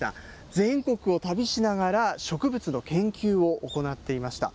全国を旅しながら、植物の研究を行っていました。